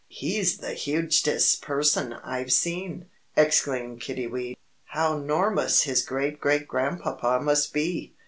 "He's the hugestest person I've seen," exclaimed Kiddiwee; "how 'normous his great great grandpapa must be!"